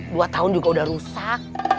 dua tahun juga udah rusak